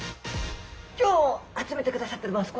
今日集めてくださっております